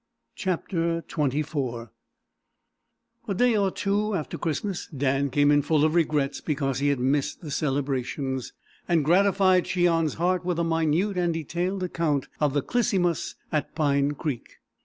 CHAPTER XXIV A Day or two after Christmas, Dan came in full of regrets because he had "missed the celebrations," and gratified Cheon's heart with a minute and detailed account of the "Clisymus" at Pine Creek.